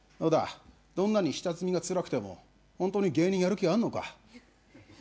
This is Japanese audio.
どんなに下積みがつらくてもホントに芸人やる気あんのか？